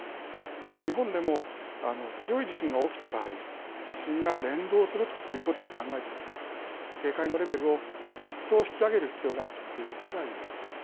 日本でも強い地震が起きた場合、地震が連動するということも考えてですね、警戒のレベルを一層引き上げる必要があるということが言えそうだ